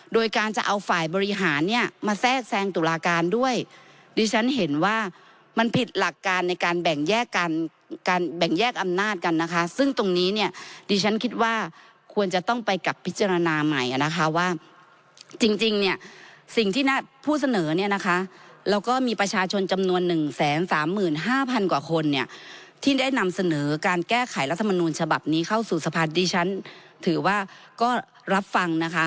โดยการจะเอาฝ่ายบริหารเนี้ยมาแทรกแซงตุลาการด้วยดิฉันเห็นว่ามันผิดหลักการในการแบ่งแยกการการแบ่งแยกอำนาจกันนะคะซึ่งตรงนี้เนี้ยดิฉันคิดว่าควรจะต้องไปกับพิจารณาใหม่อ่ะนะคะว่าจริงจริงเนี้ยสิ่งที่น่ะผู้เสนอเนี้ยนะคะแล้วก็มีประชาชนจำนวนหนึ่งแสนสามหมื่นห้าพันกว่าคนเนี้ยที่ได